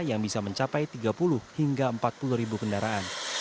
yang bisa mencapai tiga puluh hingga empat puluh ribu kendaraan